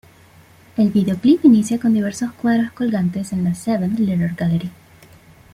El videoclip inicia con diversos cuadros colgantes en la Seventh Letter Gallery.